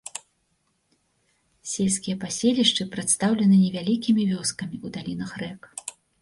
Сельскія паселішчы прадстаўлены невялікімі вёскамі ў далінах рэк.